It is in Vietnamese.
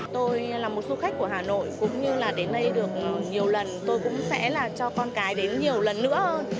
tôi là một du khách của hà nội cũng như là đến đây được nhiều lần tôi cũng sẽ là cho con cái đến nhiều lần nữa hơn